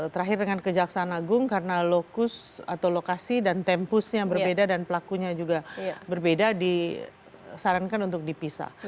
terakhir dengan kejaksaan agung karena lokus atau lokasi dan tempusnya berbeda dan pelakunya juga berbeda disarankan untuk dipisah